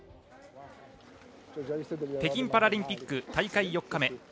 北京パラリンピック大会４日目。